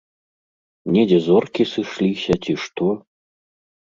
Недзе зоркі сышліся, ці што.